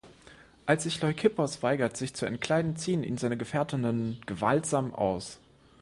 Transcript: Als sich Leukippos weigert sich zu entkleiden, ziehen ihn seine Gefährtinnen gewaltsam aus.